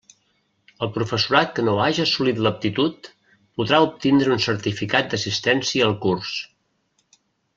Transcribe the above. El professorat que no haja assolit l'aptitud podrà obtindre una certificació d'assistència al curs.